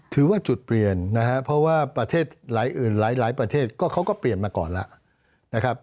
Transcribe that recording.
ถือว่าจุดเปลี่ยนนะครับเพราะว่าประเทศหลายอื่นหลายประเทศก็เขาก็เปลี่ยนมาก่อนแล้วนะครับ